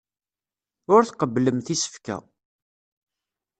Ur tqebblemt isefka.